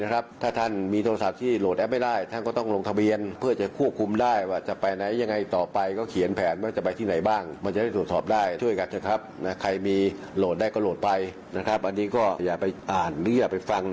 โหลดได้ก็โหลดไปนะครับอันนี้ก็อย่าไปอ่านหรืออย่าไปฟัง